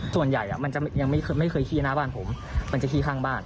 ส่วนใหญ่มันจะยังไม่เคยขี้หน้าบ้านผมมันจะขี้ข้างบ้าน